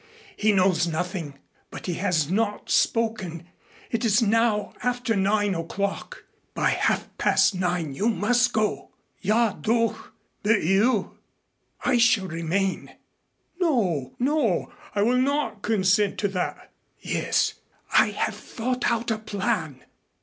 He knows nothing. But he has not spoken. It is now after nine o'clock. By half past nine you must go." "Ja doch! But you !" "I shall remain." "No, no; I will not consent to that." "Yes, I have thought out a plan."